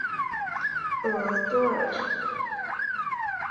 厄瓜多尔是地震多发国家。